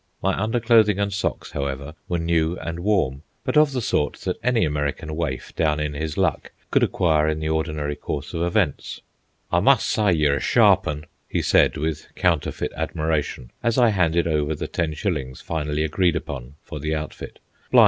My underclothing and socks, however, were new and warm, but of the sort that any American waif, down in his luck, could acquire in the ordinary course of events. "I must sy yer a sharp 'un," he said, with counterfeit admiration, as I handed over the ten shillings finally agreed upon for the outfit.